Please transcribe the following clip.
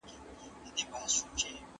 تاریخ په تیره پیړۍ کې د نظریاتو ښکار سو.